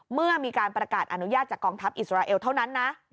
เมื่อมีการประกาศอนุญาตจากกองทัพอิสราเอลเท่านั้นนะ